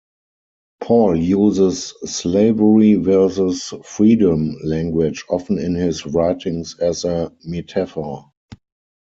Paul uses slavery versus freedom language often in his writings as a metaphor.